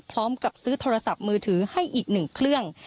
พร้อมกับซื้อโทรศัพท์มือถือให้อีกหนึ่งเครื่อง